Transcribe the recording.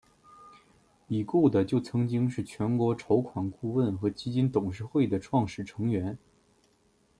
已故的就曾经是的全国筹款顾问和基金董事会的创始成员。